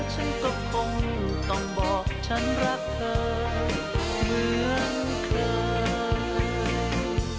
ฉันก็คงต้องบอกฉันรักเธอเหมือนใคร